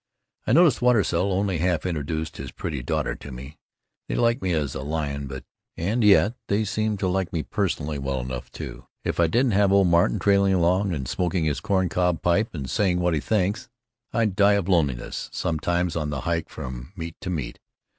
I noticed Watersell only half introduced his pretty daughter to me, they like me as a lion but——And yet they seem to like me personally well enough, too. If I didn't have old Martin trailing along, smoking his corn cob pipe and saying what he thinks, I'd die of loneliness sometimes on the hike from meet to meet.